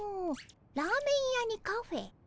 ラーメン屋にカフェ。